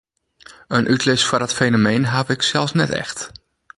In útlis foar dat fenomeen haw ik sels net echt.